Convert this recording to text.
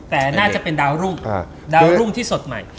แต่น่าจะเป็นดาวรุ่งดาวรุ่งที่สดใหม่